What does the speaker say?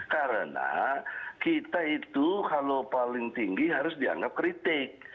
karena kita itu kalau paling tinggi harus dianggap kritik